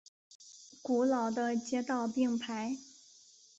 古老的街道并排。